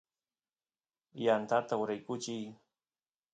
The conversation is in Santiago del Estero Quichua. yantata uraykuchiy